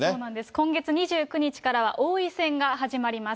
今月２９日からは王位戦が始まります。